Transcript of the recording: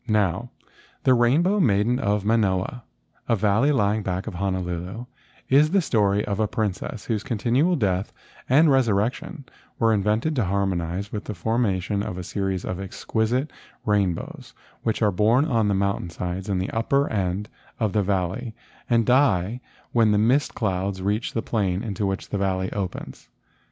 Now the Rainbow Maiden of Manoa, a valley lying back of Honolulu, is the story of a princess whose continual death and resurrection were invented to harmonize with the formation of a series of exquisite rainbows which are born on the mountain sides in the upper end of the valley and die when the mist clouds reach the plain into which the valley opens.